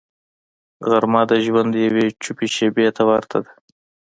غرمه د ژوند یوې چوپې شیبې ته ورته ده